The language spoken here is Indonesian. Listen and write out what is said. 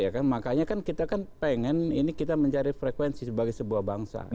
ya kan makanya kan kita kan pengen ini kita mencari frekuensi sebagai sebuah bangsa